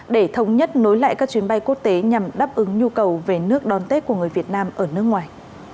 để thống nhất nối lại các chuyến bay quốc tế nhằm đáp ứng nhu cầu về nước đón tết của người việt nam ở nước ngoài